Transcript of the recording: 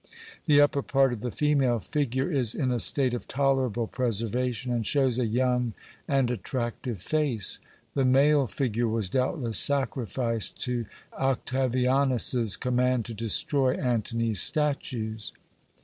The upper part of the female figure is in a state of tolerable preservation, and shows a young and attractive face. The male figure was doubtless sacrificed to Octavianus's command to destroy Antony's statues.